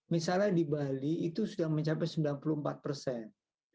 misalnya di bali itu sudah mencapai sembilan puluh empat persen